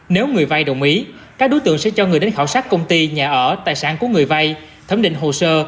nếu người vay đồng ý các đối tượng sẽ cho người đến khảo sát công ty nhà ở tài sản của người vay thẩm định hồ sơ